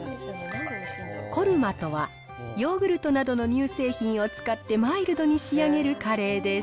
コルマとは、ヨーグルトなどの乳製品を使ってマイルドに仕上げるカレーです。